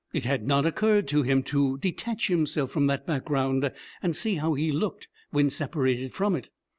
It had not occurred to him to detach himself from that background and see how he looked when separated from it.